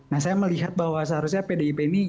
nah saya melihat bahwa seharusnya pdip ini